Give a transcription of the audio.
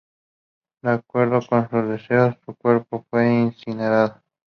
De acuerdo con sus deseos, su cuerpo fue incinerado.